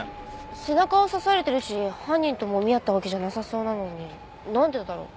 背中を刺されてるし犯人ともみ合ったわけじゃなさそうなのになんでだろう？